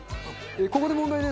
ここで問題です。